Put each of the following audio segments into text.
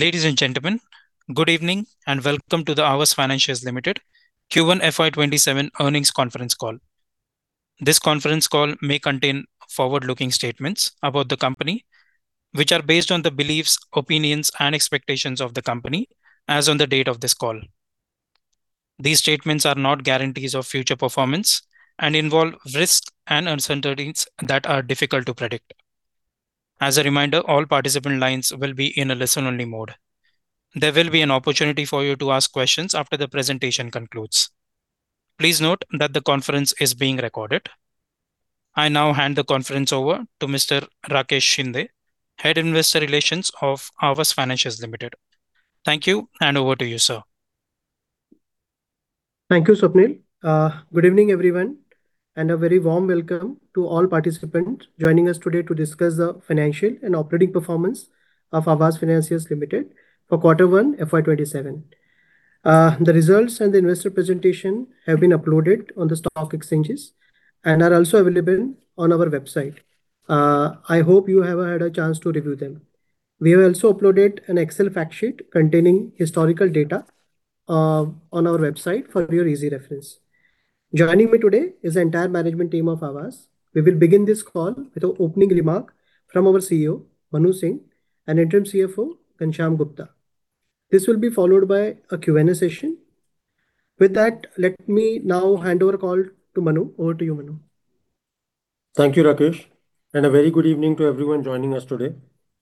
Ladies and gentlemen, good evening and welcome to the Aavas Financiers Limited Q1 FY 2027 earnings conference call. This conference call may contain forward-looking statements about the company, which are based on the beliefs, opinions, and expectations of the company as on the date of this call. These statements are not guarantees of future performance and involve risks and uncertainties that are difficult to predict. As a reminder, all participant lines will be in a listen-only mode. There will be an opportunity for you to ask questions after the presentation concludes. Please note that the conference is being recorded. I now hand the conference over to Mr. Rakesh Shinde, Head of Investor Relations of Aavas Financiers Limited. Thank you, and over to you, sir. Thank you, Swapnil. Good evening, everyone, and a very warm welcome to all participants joining us today to discuss the financial and operating performance of Aavas Financiers Limited for quarter one, FY 2027. The results and the investor presentation have been uploaded on the stock exchanges and are also available on our website. I hope you have had a chance to review them. We have also uploaded an Excel fact sheet containing historical data on our website for your easy reference. Joining me today is the entire management team of Aavas. We will begin this call with an opening remark from our CEO, Manu Singh, and interim CFO, Ghanshyam Gupta. This will be followed by a Q&A session. With that, let me now hand over the call to Manu. Over to you, Manu. Thank you, Rakesh, and a very good evening to everyone joining us today.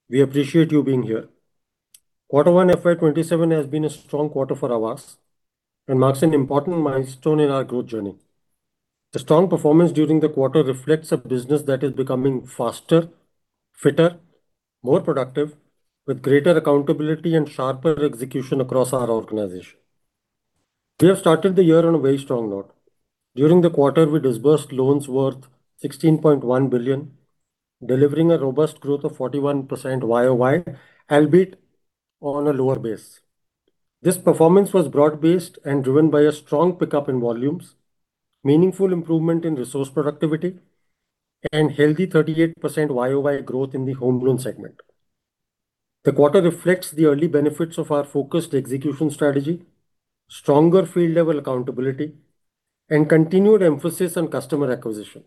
We appreciate you being here. Quarter one FY 2027 has been a strong quarter for Aavas and marks an important milestone in our growth journey. The strong performance during the quarter reflects a business that is becoming faster, fitter, more productive, with greater accountability and sharper execution across our organization. We have started the year on a very strong note. During the quarter, we disbursed loans worth 16.1 billion, delivering a robust growth of 41% YoY, albeit on a lower base. This performance was broad-based and driven by a strong pickup in volumes, meaningful improvement in resource productivity, and healthy 38% YoY growth in the home loan segment. The quarter reflects the early benefits of our focused execution strategy, stronger field level accountability, and continued emphasis on customer acquisition.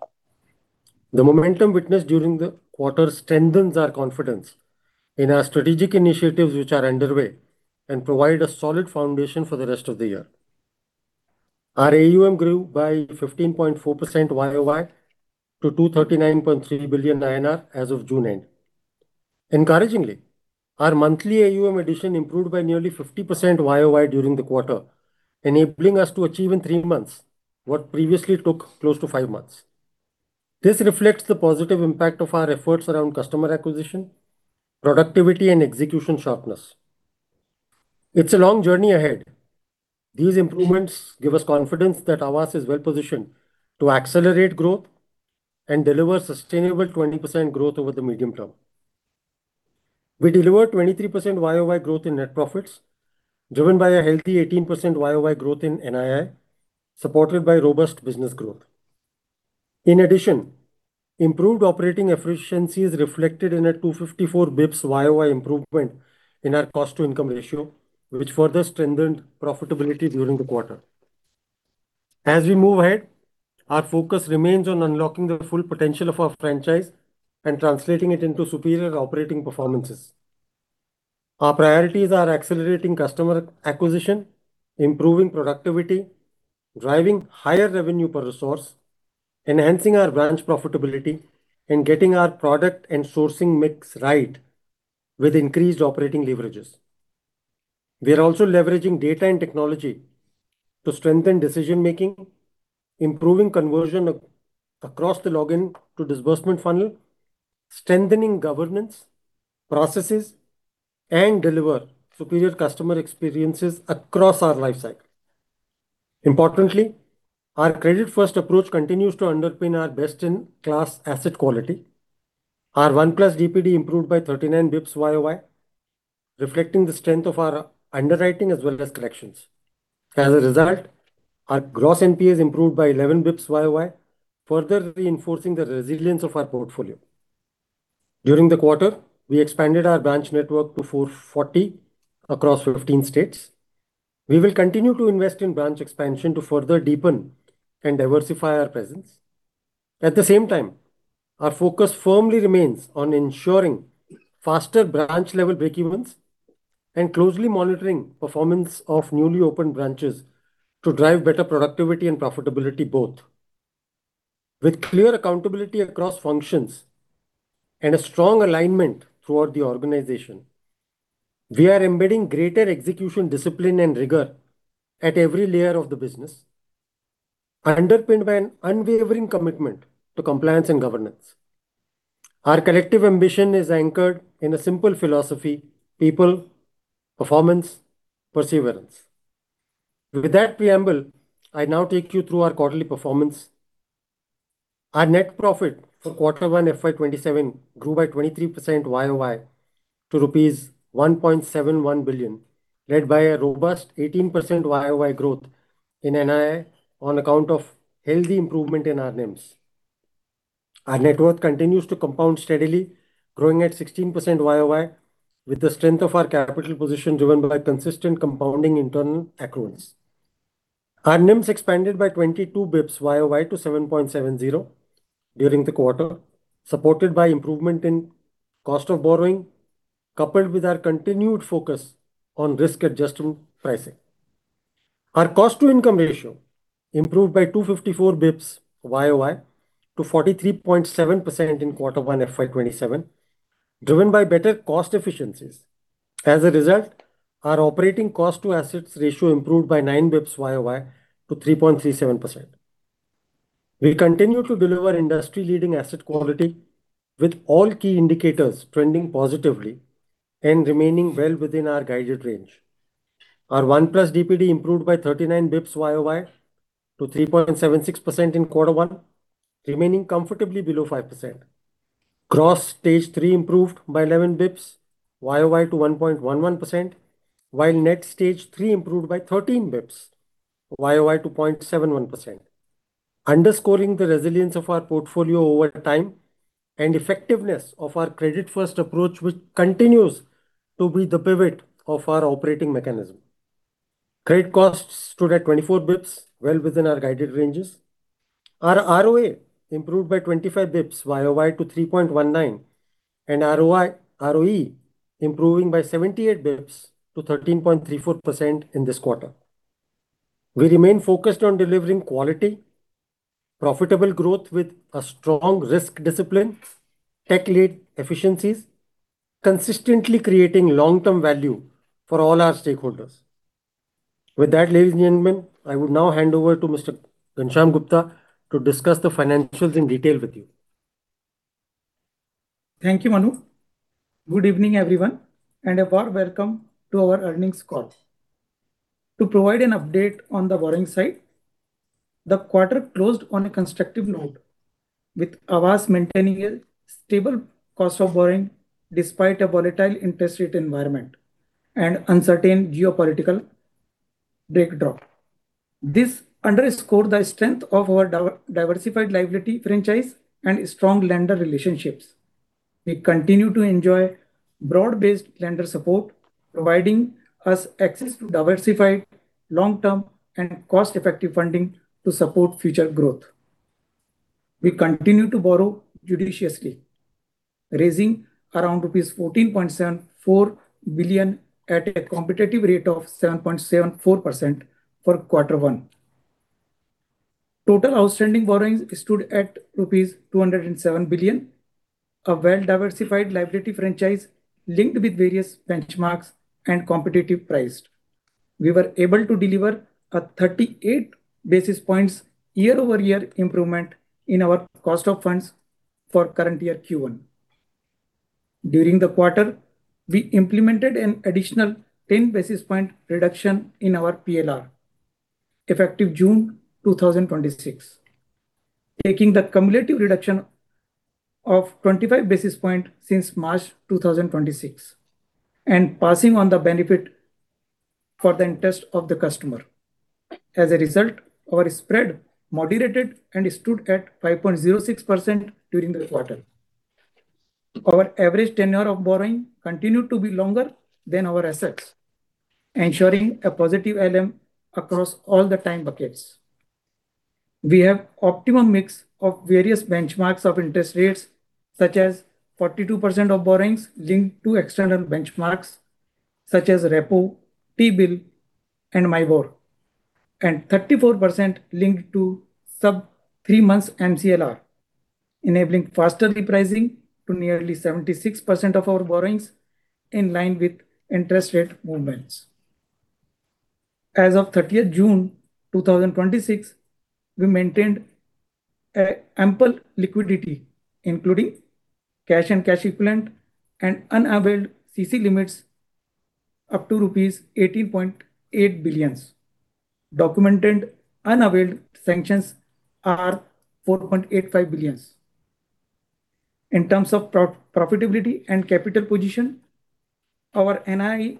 The momentum witnessed during the quarter strengthens our confidence in our strategic initiatives, which are underway and provide a solid foundation for the rest of the year. Our AUM grew by 15.4% YoY to 239.3 billion INR as of June end. Encouragingly, our monthly AUM addition improved by nearly 50% YoY during the quarter, enabling us to achieve in three months what previously took close to five months. This reflects the positive impact of our efforts around customer acquisition, productivity, and execution sharpness. It's a long journey ahead. These improvements give us confidence that Aavas is well positioned to accelerate growth and deliver sustainable 20% growth over the medium term. We delivered 23% YoY growth in net profits, driven by a healthy 18% YoY growth in NII, supported by robust business growth. In addition, improved operating efficiency is reflected in a 254 basis points YoY improvement in our cost-to-income ratio, which further strengthened profitability during the quarter. As we move ahead, our focus remains on unlocking the full potential of our franchise and translating it into superior operating performances. Our priorities are accelerating customer acquisition, improving productivity, driving higher revenue per resource, enhancing our branch profitability, and getting our product and sourcing mix right with increased operating leverages. We are also leveraging data and technology to strengthen decision making, improving conversion across the login to disbursement funnel, strengthening governance processes, and deliver superior customer experiences across our life cycle. Importantly, our credit-first approach continues to underpin our best-in-class asset quality. Our 1+ DPD improved by 39 basis points YoY, reflecting the strength of our underwriting as well as collections. As a result, our gross NPAs improved by 11 basis points YoY, further reinforcing the resilience of our portfolio. During the quarter, we expanded our branch network to 440 across 15 states. We will continue to invest in branch expansion to further deepen and diversify our presence. At the same time, our focus firmly remains on ensuring faster branch level breakevens and closely monitoring performance of newly opened branches to drive better productivity and profitability both. With clear accountability across functions and a strong alignment throughout the organization, we are embedding greater execution discipline and rigor at every layer of the business, underpinned by an unwavering commitment to compliance and governance. Our collective ambition is anchored in a simple philosophy: people, performance, perseverance. With that preamble, I now take you through our quarterly performance. Our net profit for quarter one FY 2027 grew by 23% YoY to rupees 1.71 billion, led by a robust 18% YoY growth in NII on account of healthy improvement in our NIMs. Our net worth continues to compound steadily, growing at 16% YoY, with the strength of our capital position driven by consistent compounding internal accruals. Our NIMs expanded by 22 basis points YoY to 7.70% during the quarter, supported by improvement in cost of borrowing, coupled with our continued focus on risk-adjusted pricing. Our cost to income ratio improved by 254 basis points YoY to 43.7% in quarter one FY 2027, driven by better cost efficiencies. As a result, our operating cost to assets ratio improved by 9 basis points YoY to 3.37%. We continue to deliver industry-leading asset quality with all key indicators trending positively and remaining well within our guided range. Our 1+ DPD improved by 39 basis points YoY to 3.76% in quarter one, remaining comfortably below 5%. Gross Stage III improved by 11 basis points YoY to 1.11%, while Net Stage III improved by 13 basis points YoY to 0.71%, underscoring the resilience of our portfolio over time and effectiveness of our credit-first approach, which continues to be the pivot of our operating mechanism. Credit costs stood at 24 basis points, well within our guided ranges. Our ROA improved by 25 basis points YoY to 3.19%, and ROE improving by 78 basis points to 13.34% in this quarter. We remain focused on delivering quality, profitable growth with a strong risk discipline, tech-led efficiencies, consistently creating long-term value for all our stakeholders. With that, ladies and gentlemen, I would now hand over to Mr. Ghanshyam Gupta to discuss the financials in detail with you. Thank you, Manu. Good evening, everyone, and a warm welcome to our earnings call. To provide an update on the borrowing side, the quarter closed on a constructive note, with Aavas maintaining a stable cost of borrowing despite a volatile interest rate environment and uncertain geopolitical backdrop. This underscores the strength of our diversified liability franchise and strong lender relationships. We continue to enjoy broad-based lender support, providing us access to diversified long-term and cost-effective funding to support future growth. We continue to borrow judiciously, raising around rupees 14.74 billion at a competitive rate of 7.74% for quarter one. Total outstanding borrowings stood at rupees 207 billion, a well-diversified liability franchise linked with various benchmarks and competitive priced. We were able to deliver a 38 basis points year-over-year improvement in our cost of funds for current year Q1. During the quarter, we implemented an additional 10 basis point reduction in our PLR, effective June 2026, taking the cumulative reduction of 25 basis point since March 2026, passing on the benefit for the interest of the customer. As a result, our spread moderated and stood at 5.06% during the quarter. Our average tenure of borrowing continued to be longer than our assets, ensuring a positive ALM across all the time buckets. We have optimum mix of various benchmarks of interest rates, such as 42% of borrowings linked to external benchmarks, such as Repo, T-bill, and MIBOR, and 34% linked to sub three months MCLR, enabling faster repricing to nearly 76% of our borrowings in line with interest rate movements. As of 30th June 2026, we maintained ample liquidity, including cash and cash equivalent and unavailed CC limits up to rupees 18.8 billion. Documented unavailed sanctions are 4.85 billion. In terms of profitability and capital position, our NII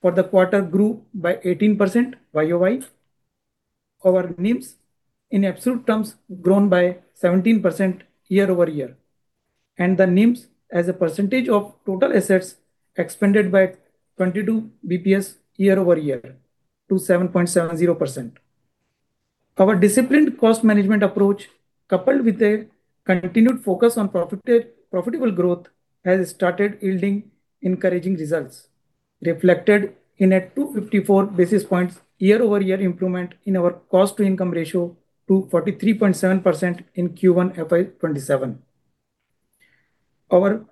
for the quarter grew by 18% YoY. Our NIMs in absolute terms grown by 17% year-over-year, and the NIMs as a percentage of total assets expanded by 22 basis points year-over-year to 7.70%. Our disciplined cost management approach, coupled with a continued focus on profitable growth, has started yielding encouraging results, reflected in a 254 basis points year-over-year improvement in our cost to income ratio to 43.7% in Q1 FY 2027. Our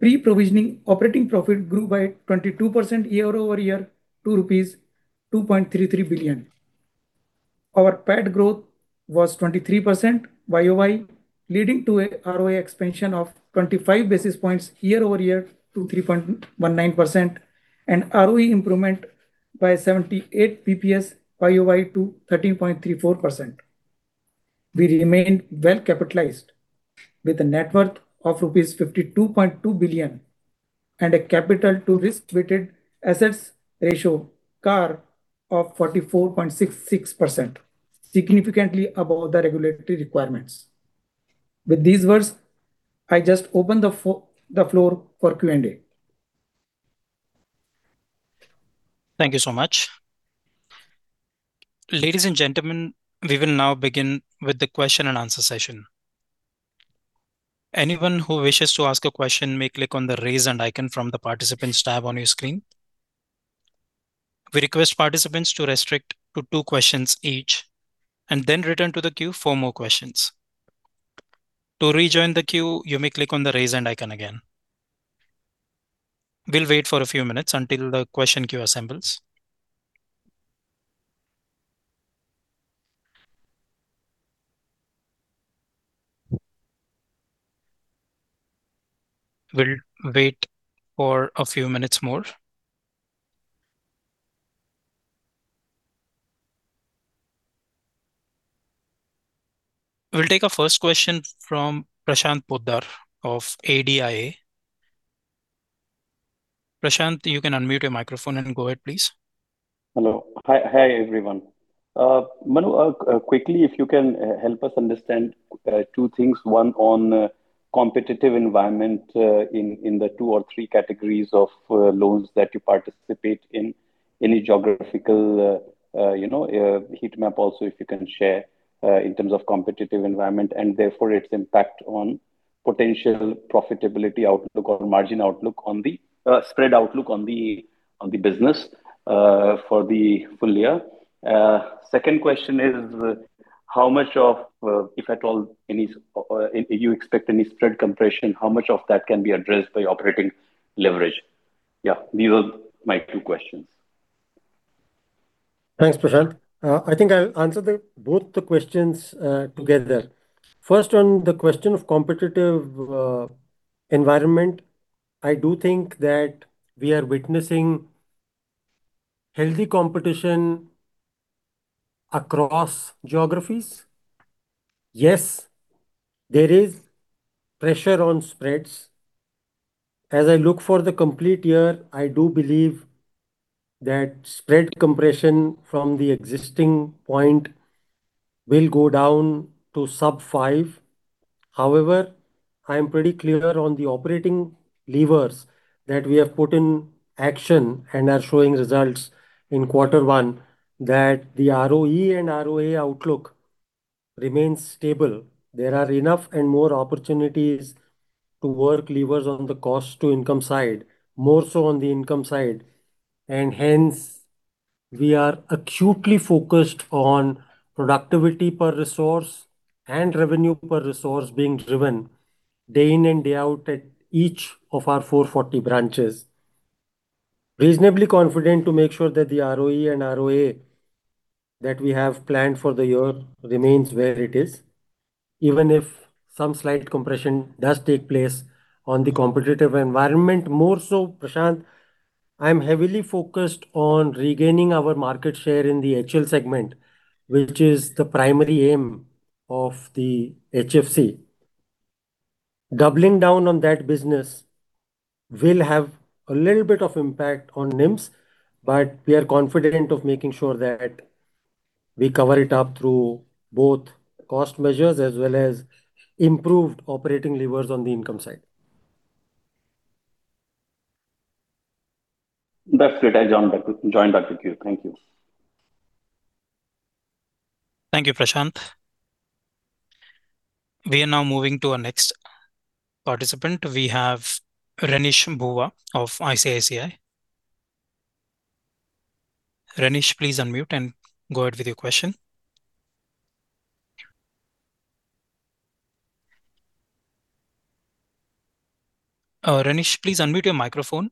pre-provisioning operating profit grew by 22% year-over-year to INR 2.33 billion. Our PAT growth was 23% YoY, leading to a ROA expansion of 25 basis points year-over-year to 3.19%, and ROE improvement by 78 basis points YoY to 13.34%. We remain well capitalized with a net worth of rupees 52.2 billion. A capital to risk-weighted assets ratio, CAR, of 44.66%, significantly above the regulatory requirements. With these words, I just open the floor for Q&A. Thank you so much. Ladies and gentlemen, we will now begin with the question and answer session. Anyone who wishes to ask a question may click on the raise hand icon from the participants tab on your screen. We request participants to restrict to two questions each and then return to the queue for more questions. To rejoin the queue, you may click on the raise hand icon again. We'll wait for a few minutes until the question queue assembles. We'll wait for a few minutes more. We'll take our 1st question from Prashanth Poddar of ADIA. Prashanth, you can unmute your microphone and go ahead, please. Hello. Hi, everyone. Manu, quickly, if you can help us understand two things, one on competitive environment in the two or three categories of loans that you participate in, any geographical heat map also, if you can share, in terms of competitive environment, and therefore its impact on potential profitability outlook or margin outlook on the spread outlook on the business for the full year. 2nd question is, if at all you expect any spread compression, how much of that can be addressed by operating leverage? Yeah, these are my two questions. Thanks, Prashanth. I think I'll answer both the questions together. 1st, on the question of competitive environment, I do think that we are witnessing healthy competition across geographies. Yes, there is pressure on spreads. As I look for the complete year, I do believe that spread compression from the existing point will go down to Sub 5. However, I am pretty clear on the operating levers that we have put in action and are showing results in Q1, that the ROE and ROA outlook remains stable. There are enough and more opportunities to work levers on the cost to income side, more so on the income side, and hence, we are acutely focused on productivity per resource and revenue per resource being driven day in and day out at each of our 440 branches. Reasonably confident to make sure that the ROE and ROA that we have planned for the year remains where it is, even if some slight compression does take place on the competitive environment. More so, Prashanth, I'm heavily focused on regaining our market share in the HL segment, which is the primary aim of the HFC. Doubling down on that business will have a little bit of impact on NIMS, but we are confident of making sure that we cover it up through both cost measures as well as improved operating levers on the income side. That's it. I joined back with you. Thank you. Thank you, Prashanth. We are now moving to our next participant. We have Renish Bhuva of ICICI. Renish, please unmute and go ahead with your question. Renish, please unmute your microphone.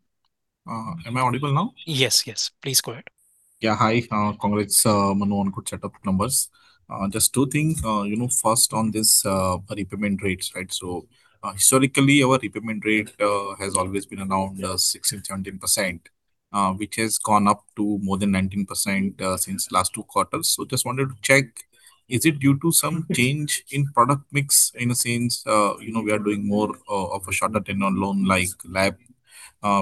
Am I audible now? Yes. Please go ahead. Hi. Congrats, Manu, on good set of numbers. Just two things. First, on this repayment rates. Historically, our repayment rate has always been around 16%-17%, which has gone up to more than 19% since last two quarters. Just wanted to check, is it due to some change in product mix in a sense we are doing more of a shorter tenure loan like LAP,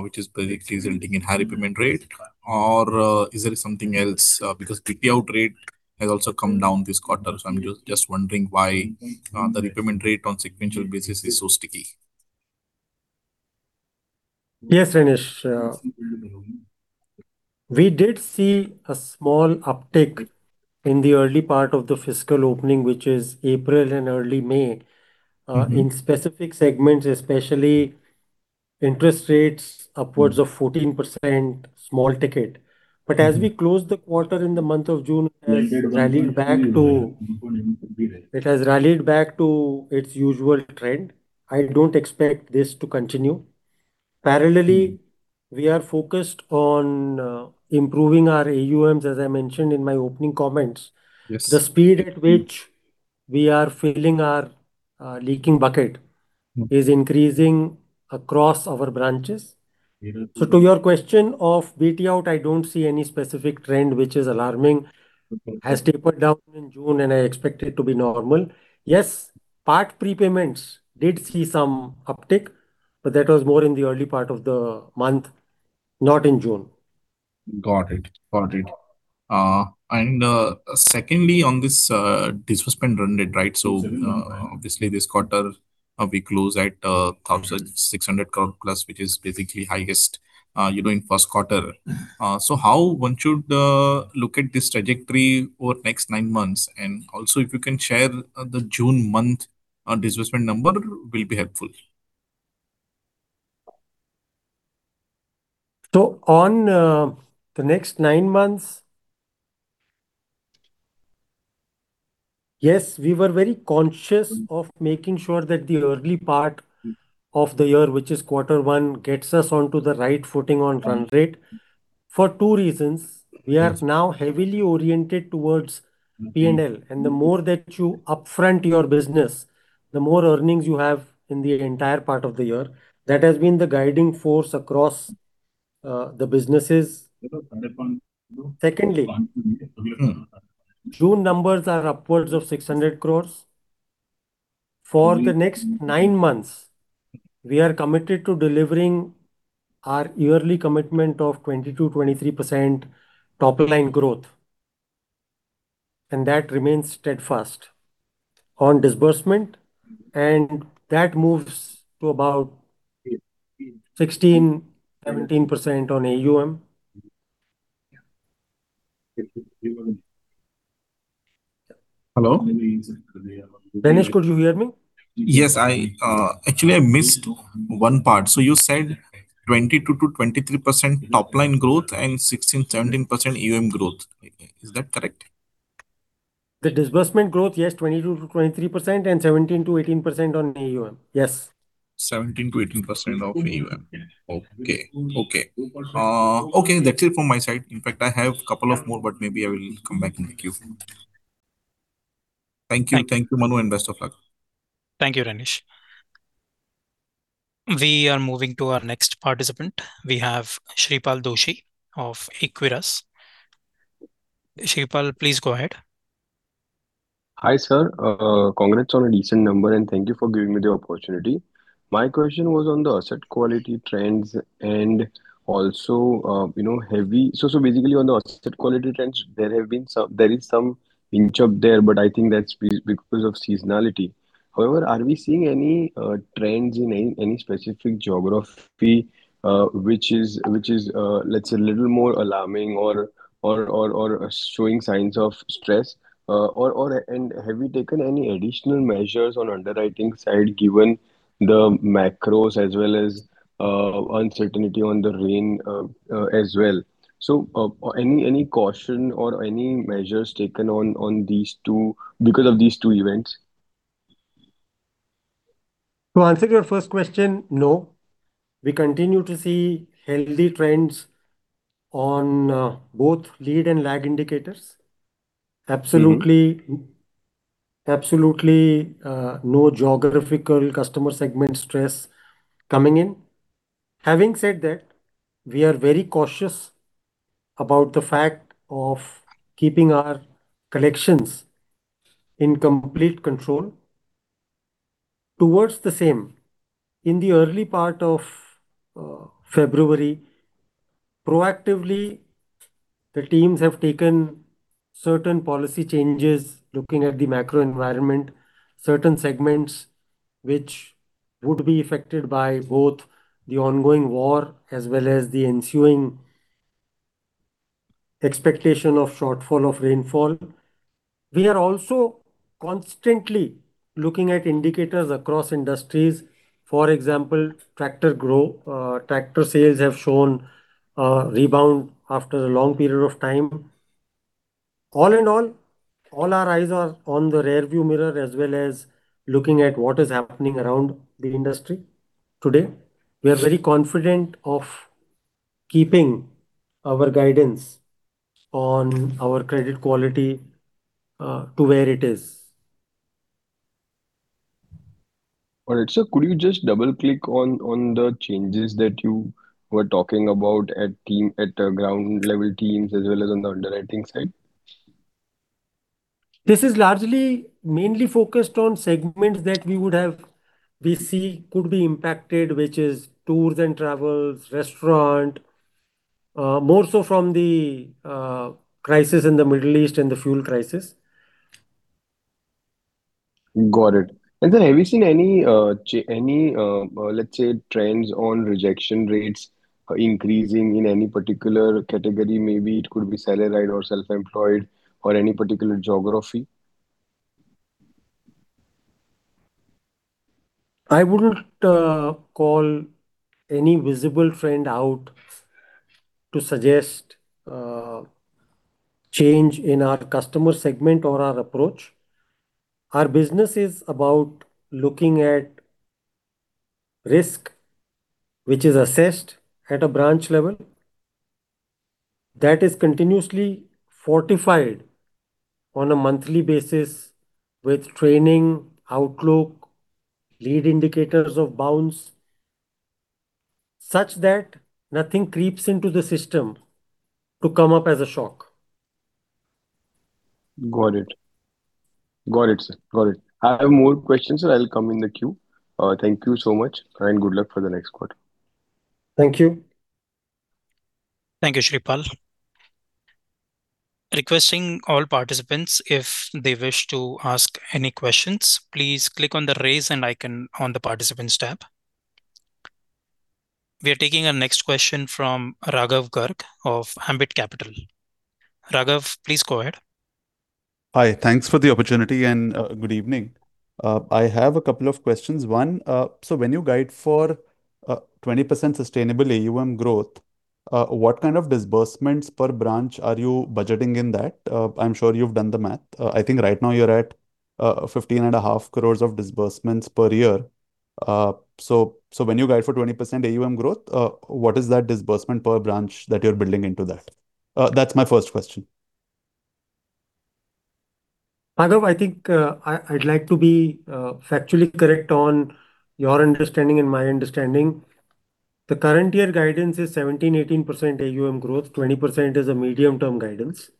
which is basically resulting in high repayment rate, or is there something else? BT out rate has also come down this quarter. I'm just wondering why the repayment rate on sequential basis is so sticky. Yes, Renish. We did see a small uptick in the early part of the fiscal opening, which is April and early May, in specific segments, especially interest rates upwards of 14%, small ticket. As we closed the quarter in the month of June, it has rallied back to its usual trend. I don't expect this to continue. Parallelly, we are focused on improving our AUMs, as I mentioned in my opening comments. Yes. The speed at which we are filling our leaking bucket is increasing across our branches. Beautiful. To your question of BT out, I don't see any specific trend which is alarming. It has tapered down in June. I expect it to be normal. Part prepayments did see some uptick, that was more in the early part of the month, not in June. Got it. Secondly, on this disbursement run rate. Obviously this quarter we close at 1,600 crore plus, which is basically highest in first quarter. How one should look at this trajectory over next nine months, and also if you can share the June month disbursement number will be helpful. On the next nine months, yes, we were very conscious of making sure that the early part of the year, which is quarter one, gets us onto the right footing on run rate for two reasons. We are now heavily oriented towards P&L, and the more that you upfront your business, the more earnings you have in the entire part of the year. That has been the guiding force across the businesses. Secondly, June numbers are upwards of 600 crore. For the next nine months, we are committed to delivering our yearly commitment of 22%-23% top-line growth, and that remains steadfast on disbursement, and that moves to about 16%-17% on AUM. Hello? Renish, could you hear me? Yes. Actually, I missed one part. You said 22%-23% top line growth and 16%-17% AUM growth. Is that correct? The disbursement growth, yes, 22%-23%, and 17%-18% on AUM. Yes. 17%-18% of AUM. Okay. Okay, that's it from my side. In fact, I have a couple of more, but maybe I will come back to you. Thank you, Manu, and best of luck. Thank you, Renish. We are moving to our next participant. We have Shreepal Doshi of Equirus. Shreepal, please go ahead. Hi, sir. Congrats on a decent number, and thank you for giving me the opportunity. My question was on the asset quality trends and also, basically, on the asset quality trends, there is some inch up there, but I think that's because of seasonality. However, are we seeing any trends in any specific geography, which is, let's say, a little more alarming or showing signs of stress? Have you taken any additional measures on underwriting side given the macros as well as uncertainty on the rain as well? Any caution or any measures taken on these two because of these two events? To answer your first question, no. We continue to see healthy trends on both lead and lag indicators. Absolutely no geographical customer segment stress coming in. Having said that, we are very cautious about the fact of keeping our collections in complete control. Towards the same, in the early part of February, proactively, the teams have taken certain policy changes, looking at the macro environment, certain segments which would be affected by both the ongoing war as well as the ensuing expectation of shortfall of rainfall. We are also constantly looking at indicators across industries. For example, tractor sales have shown a rebound after a long period of time. All in all our eyes are on the rear view mirror, as well as looking at what is happening around the industry today. We are very confident of keeping our guidance on our credit quality, to where it is. All right, sir. Could you just double-click on the changes that you were talking about at ground level teams, as well as on the underwriting side? This is largely, mainly focused on segments that we see could be impacted, which is tours and travels, restaurant. More so from the crisis in the Middle East and the fuel crisis. Got it. Have you seen any, let's say, trends on rejection rates increasing in any particular category? Maybe it could be salaried or self-employed or any particular geography. I wouldn't call any visible trend out to suggest change in our customer segment or our approach. Our business is about looking at risk, which is assessed at a branch level. That is continuously fortified on a monthly basis with training, outlook, lead indicators of bounce such that nothing creeps into the system to come up as a shock. Got it, sir. I have more questions. I'll come in the queue. Thank you so much. Good luck for the next quarter. Thank you. Thank you, Shreepal. Requesting all participants, if they wish to ask any questions, please click on the raise hand icon on the Participants tab. We are taking our next question from Raghav Garg of Ambit Capital. Raghav, please go ahead. Hi. Thanks for the opportunity, and good evening. I have a couple of questions. One, when you guide for 20% sustainable AUM growth, what kind of disbursements per branch are you budgeting in that? I'm sure you've done the math. I think right now you're at 15.5 crore of disbursements per year. When you guide for 20% AUM growth, what is that disbursement per branch that you're building into that? That's my first question. Raghav, I think I'd like to be factually correct on your understanding and my understanding. The current year guidance is 17%-18% AUM growth, 20% is a medium term guidance.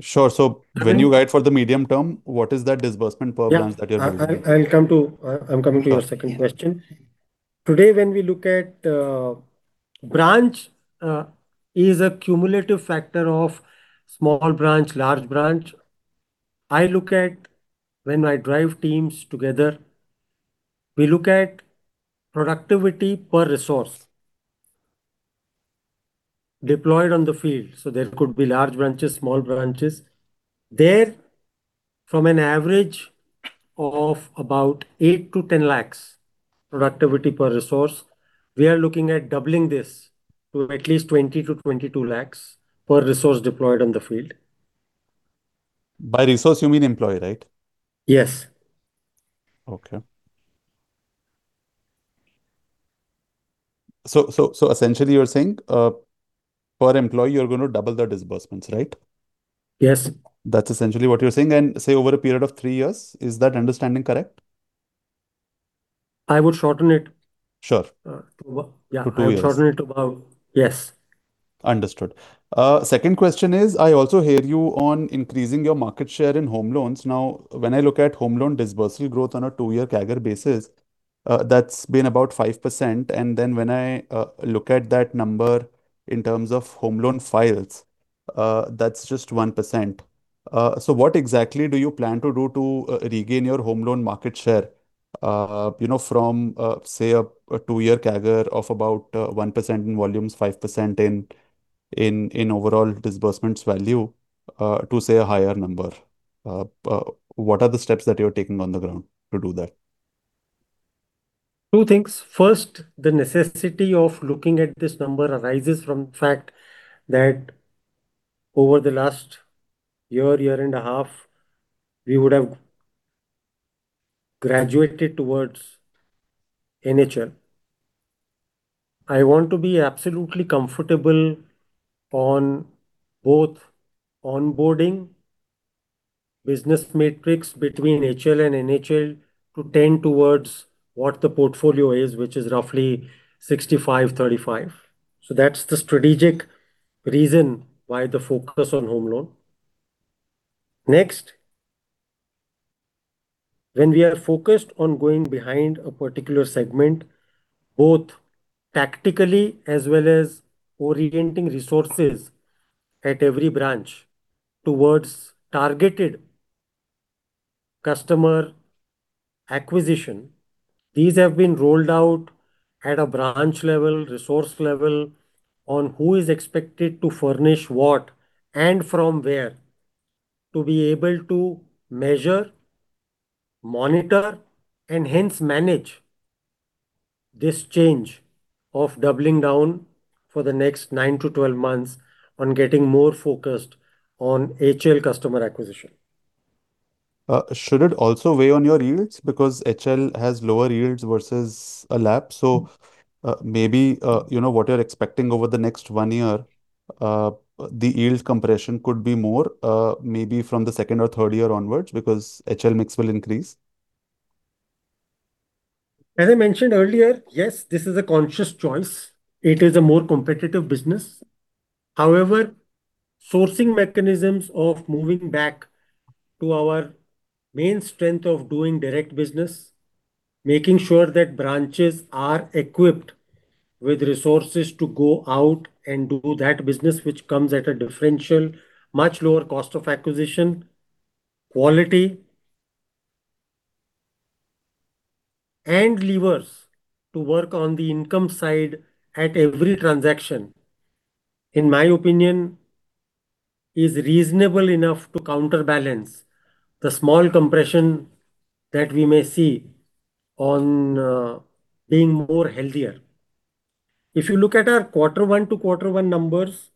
Sure. When you guide for the medium term, what is that disbursement per branch that you're budgeting? I'm coming to your second question. Today, when we look at branch is a cumulative factor of small branch, large branch. I look at when I drive teams together, we look at productivity per resource deployed on the field. There could be large branches, small branches. There, from an average of about 8 lakh-10 lakh productivity per resource, we are looking at doubling this to at least 20 lakh-22 lakh per resource deployed on the field. By resource you mean employee, right? Yes. Okay. Essentially you're saying, per employee, you're going to double the disbursements, right? Yes. That's essentially what you're saying, and say over a period of three years. Is that understanding correct? I would shorten it. Sure. To two years. Yeah, I would shorten it to about Yes. Understood. Second question is, I also hear you on increasing your market share in home loans. When I look at home loan disbursal growth on a two-year CAGR basis, that's been about 5%. When I look at that number in terms of home loan files, that's just 1%. What exactly do you plan to do to regain your home loan market share, from, say, a two-year CAGR of about 1% in volumes, 5% in overall disbursements value, to, say, a higher number? What are the steps that you're taking on the ground to do that? Two things. First, the necessity of looking at this number arises from the fact that over the last year and a half, we would have graduated towards NHL. I want to be absolutely comfortable on both onboarding business metrics between HL and NHL to tend towards what the portfolio is, which is roughly 65-35. That's the strategic reason why the focus on home loan. Next, when we are focused on going behind a particular segment, both tactically as well as orienting resources at every branch towards targeted customer acquisition. These have been rolled out at a branch level, resource level, on who is expected to furnish what and from where, to be able to measure, monitor, and hence manage this change of doubling down for the next nine to 12 months on getting more focused on HL customer acquisition. Should it also weigh on your yields? Because HL has lower yields versus a LAP. Maybe, what you're expecting over the next one year, the yield compression could be more, maybe from the second or third year onwards, because HL mix will increase. As I mentioned earlier, yes, this is a conscious choice. It is a more competitive business. However, sourcing mechanisms of moving back to our main strength of doing direct business, making sure that branches are equipped with resources to go out and do that business, which comes at a differential, much lower cost of acquisition, quality, and levers to work on the income side at every transaction. In my opinion, is reasonable enough to counterbalance the small compression that we may see on being more healthier. If you look at our quarter one to quarter one numbers,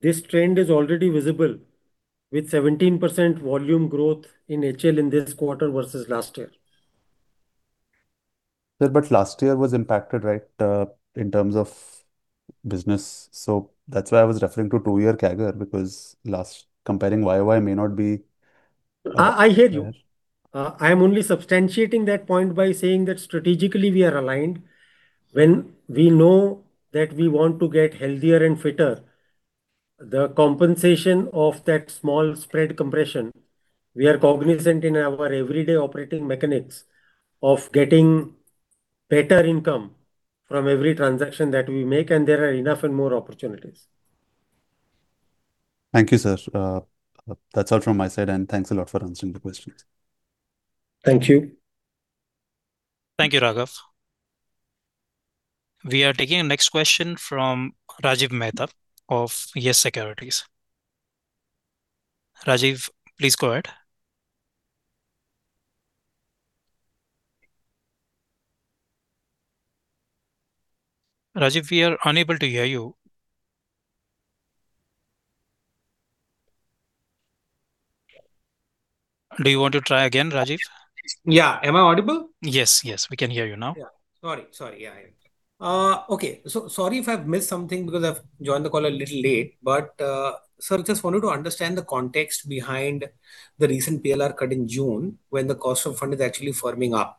this trend is already visible with 17% volume growth in HL in this quarter versus last year. Last year was impacted, right? In terms of business. That's why I was referring to two year CAGR, because comparing YoY may not be I hear you. I am only substantiating that point by saying that strategically we are aligned. When we know that we want to get healthier and fitter, the compensation of that small spread compression, we are cognizant in our everyday operating mechanics of getting better income from every transaction that we make, and there are enough and more opportunities. Thank you, sir. That's all from my side. Thanks a lot for answering the questions. Thank you. Thank you, Raghav. We are taking the next question from Rajiv Mehta of Yes Securities. Rajiv, please go ahead. Rajiv, we are unable to hear you. Do you want to try again, Rajiv? Yeah. Am I audible? Yes. We can hear you now. Yeah. Sorry. Yeah. Okay. Sorry if I have missed something because I've joined the call a little late. Sir, just wanted to understand the context behind the recent PLR cut in June when the cost of fund is actually firming up.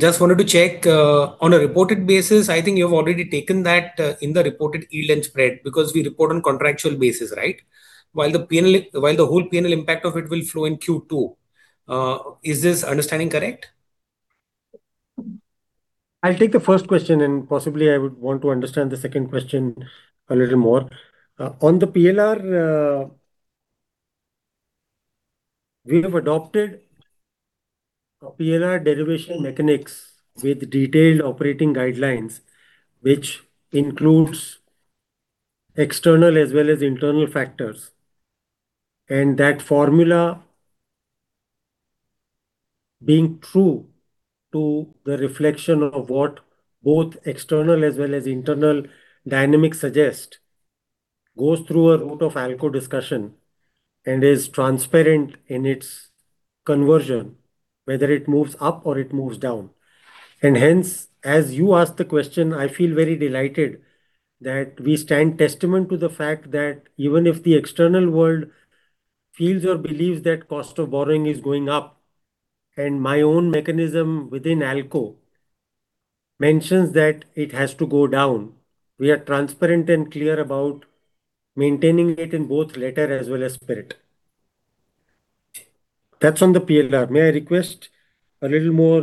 Just wanted to check, on a reported basis, I think you have already taken that in the reported yield and spread because we report on contractual basis, right? While the whole P&L impact of it will flow in Q2. Is this understanding correct? I'll take the first question, possibly I would want to understand the second question a little more. On the PLR, we have adopted PLR derivation mechanics with detailed operating guidelines, which includes external as well as internal factors. That formula, being true to the reflection of what both external as well as internal dynamics suggest, goes through a route of ALCO discussion and is transparent in its conversion, whether it moves up or it moves down. Hence, as you ask the question, I feel very delighted that we stand testament to the fact that even if the external world feels or believes that cost of borrowing is going up, and my own mechanism within ALCO mentions that it has to go down, we are transparent and clear about maintaining it in both letter as well as spirit. That's on the PLR. May I request a little more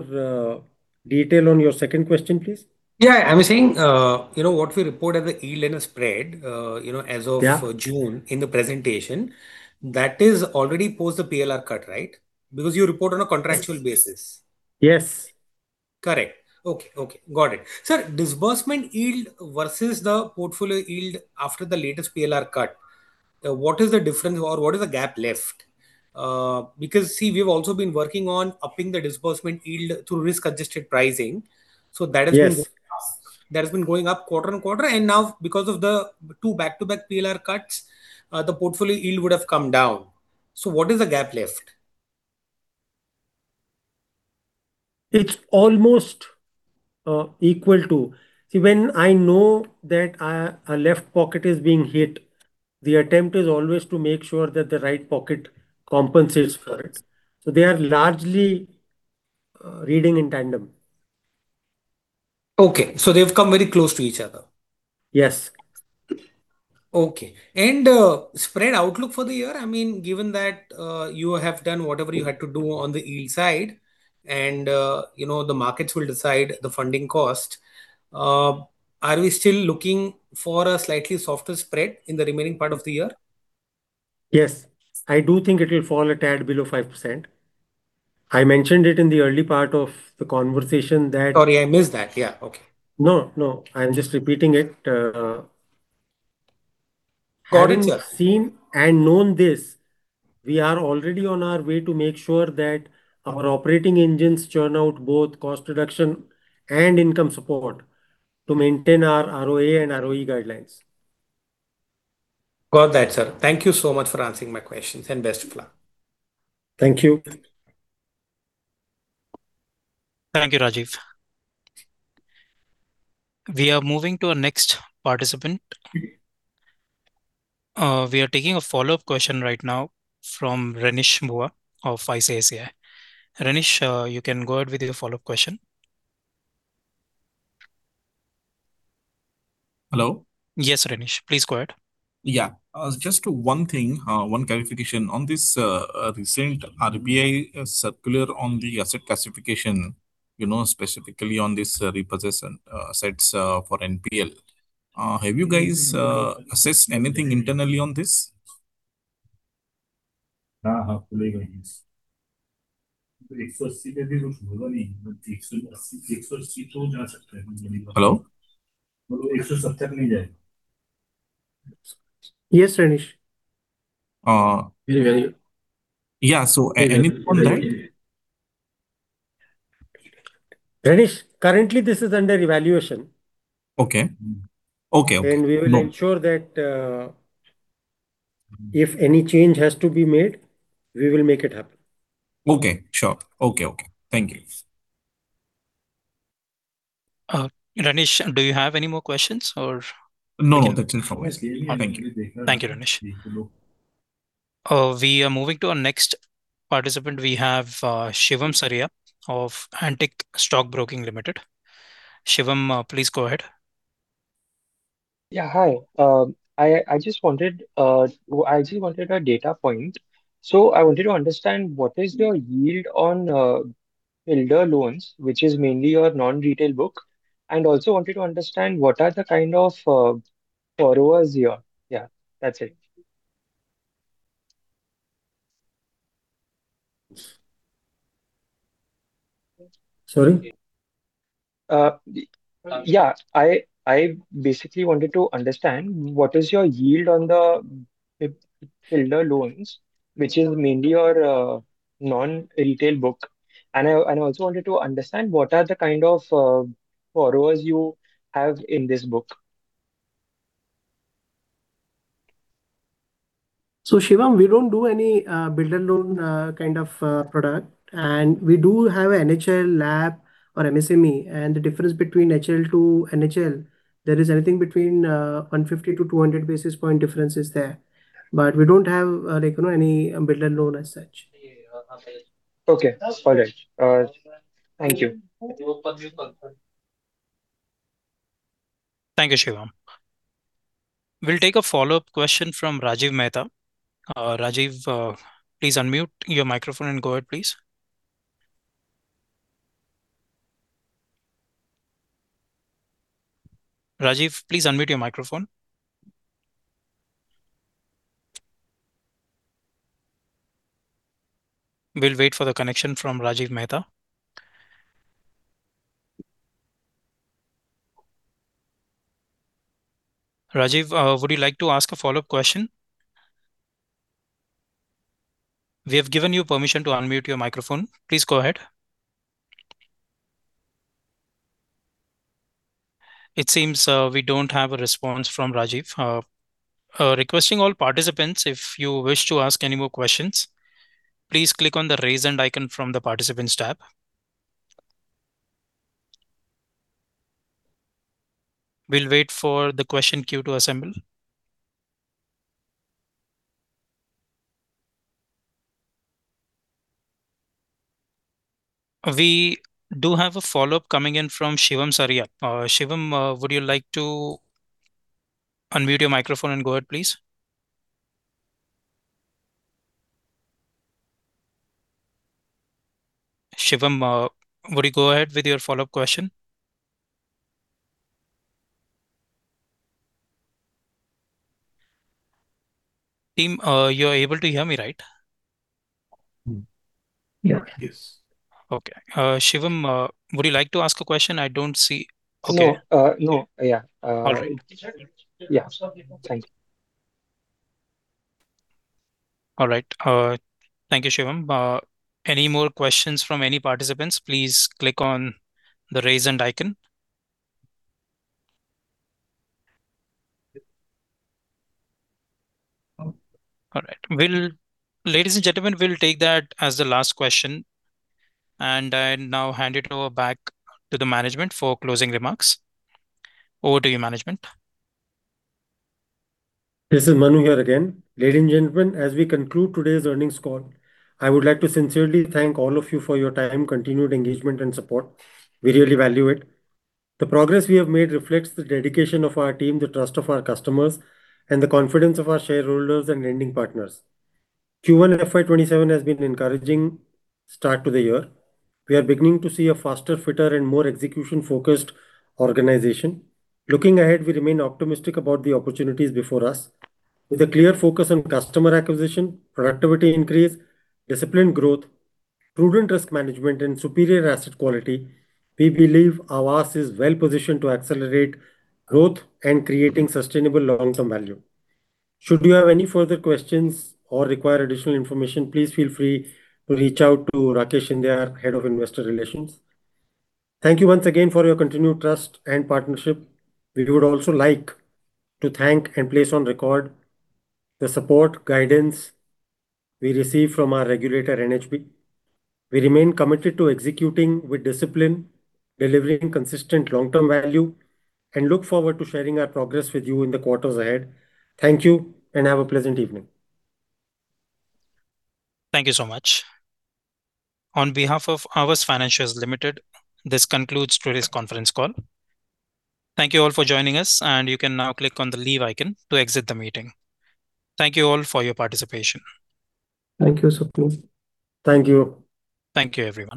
detail on your second question, please? Yeah. I was saying, what we report as a yield and a spread. Yeah June in the presentation, that is already post the PLR cut, right? You report on a contractual basis. Yes. Correct. Okay. Got it. Sir, disbursement yield versus the portfolio yield after the latest PLR cut, what is the difference, or what is the gap left? See, we've also been working on upping the disbursement yield through risk-adjusted pricing. Yes that has been going up quarter-on-quarter, now because of the two back-to-back PLR cuts, the portfolio yield would have come down. What is the gap left? It's almost equal to. When I know that our left pocket is being hit, the attempt is always to make sure that the right pocket compensates for it. They are largely reading in tandem. Okay. They've come very close to each other? Yes. Okay. Spread outlook for the year, given that you have done whatever you had to do on the yield side, and the markets will decide the funding cost, are we still looking for a slightly softer spread in the remaining part of the year? Yes. I do think it will fall a tad below 5%. I mentioned it in the early part of the conversation. Sorry, I missed that. Yeah. Okay. No. I'm just repeating it. Got it, sir. Having seen and known this, we are already on our way to make sure that our operating engines churn out both cost reduction and income support to maintain our ROA and ROE guidelines. Got that, sir. Thank you so much for answering my questions, best of luck. Thank you. Thank you, Rajiv. We are moving to our next participant. We are taking a follow-up question right now from Renish Bhuva of ICICI. Renish, you can go ahead with your follow-up question. Hello? Yes, Renish. Please go ahead. Yeah. Just one thing, one clarification on this recent RBI circular on the asset classification, specifically on this repossession assets for NPL. Have you guys assessed anything internally on this? Yes, Renish. Yeah. Anything on that? Renish, currently this is under evaluation. Okay. We will ensure that if any change has to be made, we will make it happen. Okay. Sure. Okay. Thank you. Renish, do you have any more questions? No, that's all from me. Thank you. Thank you, Renish. We are moving to our next participant. We have Shivam Saria of Antique Stock Broking Limited. Shivam, please go ahead. Yeah, hi. I just wanted a data point. I wanted to understand what is your yield on builder loans, which is mainly your non-retail book, and also wanted to understand what are the kind of borrowers here. Yeah, that's it. Sorry? Yeah. I basically wanted to understand what is your yield on the builder loans, which is mainly your non-retail book. I also wanted to understand what are the kind of borrowers you have in this book. Shivam, we don't do any builder loan kind of product. We do have NHL LAP or MSME. The difference between HL to NHL, there is anything between 150-200 basis point difference is there. We don't have any builder loan as such. Okay. Got it. Thank you. Thank you, Shivam. We'll take a follow-up question from Rajiv Mehta. Rajiv, please unmute your microphone and go ahead, please. Rajiv, please unmute your microphone. We'll wait for the connection from Rajiv Mehta. Rajiv, would you like to ask a follow-up question? We have given you permission to unmute your microphone. Please go ahead. It seems we don't have a response from Rajiv. Requesting all participants, if you wish to ask any more questions, please click on the raise hand icon from the participants tab. We'll wait for the question queue to assemble. We do have a follow-up coming in from Shivam Saria. Shivam, would you like to unmute your microphone and go ahead, please? Shivam, would you go ahead with your follow-up question? Team, you're able to hear me, right? Yeah. Yes. Okay. Shivam, would you like to ask a question? I don't see Okay. No. Yeah. All right. Yeah. Thank you. All right. Thank you, Shivam. Any more questions from any participants, please click on the raise hand icon. All right. Ladies and gentlemen, we will take that as the last question, and I now hand it over back to the management for closing remarks. Over to you, management. This is Manu here again. Ladies and gentlemen, as we conclude today's earnings call, I would like to sincerely thank all of you for your time, continued engagement, and support. We really value it. The progress we have made reflects the dedication of our team, the trust of our customers, and the confidence of our shareholders and lending partners. Q1 and FY 2027 has been encouraging start to the year. We are beginning to see a faster, fitter, and more execution-focused organization. Looking ahead, we remain optimistic about the opportunities before us. With a clear focus on customer acquisition, productivity increase, disciplined growth, prudent risk management, and superior asset quality, we believe Aavas is well positioned to accelerate growth and creating sustainable long-term value. Should you have any further questions or require additional information, please feel free to reach out to Rakesh Shinde, Head of Investor Relations. Thank you once again for your continued trust and partnership. We would also like to thank and place on record the support, guidance we receive from our regulator, NHB. We remain committed to executing with discipline, delivering consistent long-term value, and look forward to sharing our progress with you in the quarters ahead. Thank you, and have a pleasant evening. Thank you so much. On behalf of Aavas Financiers Limited, this concludes today's conference call. Thank you all for joining us, and you can now click on the leave icon to exit the meeting. Thank you all for your participation. Thank you, Swapnil. Thank you. Thank you, everyone.